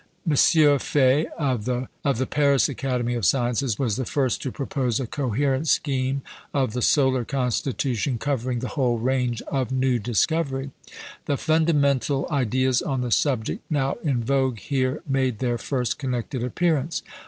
M. Faye, of the Paris Academy of Sciences, was the first to propose a coherent scheme of the solar constitution covering the whole range of new discovery. The fundamental ideas on the subject now in vogue here made their first connected appearance.